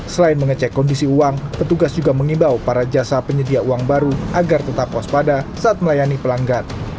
selain mengecek kondisi uang petugas juga mengimbau para jasa penyedia uang baru agar tetap waspada saat melayani pelanggan